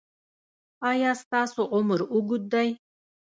ایا ستاسو عمر اوږد دی؟